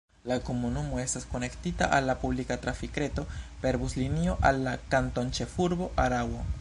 La komunumo estas konektita al la publika trafikreto per buslinio al la kantonĉefurbo Araŭo.